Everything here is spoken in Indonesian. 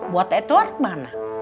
buat edward mana